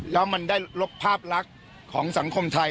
แล้วมันได้ลบภาพลักษณ์ของสังคมไทย